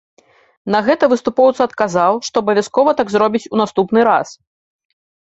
На гэта выступоўца адказаў, што абавязкова так зробіць у наступны раз.